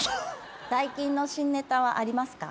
最近の新ネタはありますか？